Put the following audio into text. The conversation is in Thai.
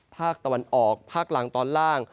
ภาคตะวันออกภาคล่างตอนล่าง